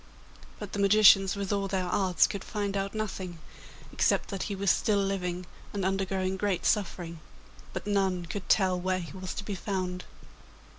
But the magicians, with all their arts, could find out nothing, except that he was still living and undergoing great suffering; but none could tell where he was to be found.